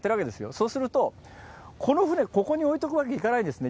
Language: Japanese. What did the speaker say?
そうすると、この船ここに置いとくわけにいかないですね。